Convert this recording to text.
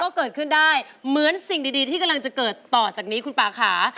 ก็เกิดขึ้นได้เหมือนสิ่งดีที่กำลังจะเกิดต่อจากนี้คุณป่าค่ะ